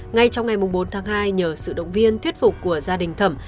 ngay trong ngày bốn tháng hai nhờ sự động viên thuyết phục của gia đình thẩm